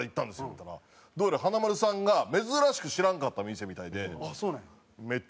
言うたらどうやら華丸さんが珍しく知らんかった店みたいで。